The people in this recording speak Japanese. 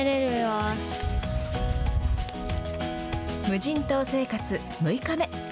無人島生活６日目。